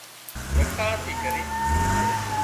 ۮڪاۯ ٿي ڪرينَ